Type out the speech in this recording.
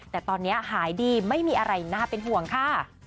แต่ตอนนี้หายดีไม่มีอะไรน่าเป็นห่วงค่ะ